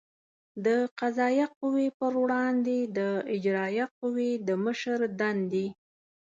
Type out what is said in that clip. د قضایه قوې پر وړاندې د اجرایه قوې د مشر دندې